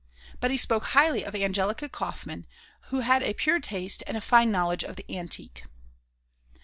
But he spoke highly of Angelica Kauffmann, who had a pure taste and a fine knowledge of the Antique.